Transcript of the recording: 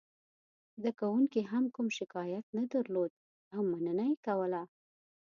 زده کوونکو هم کوم شکایت نه درلود او مننه یې کوله.